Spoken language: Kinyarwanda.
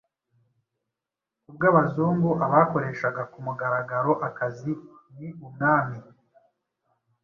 Ku bw'Abazungu abakoreshaga ku mugaragaro akazi ni umwami